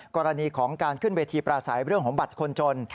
กรณีของการขึ้นเวทีปราศัยเรื่องของบัตรคนจน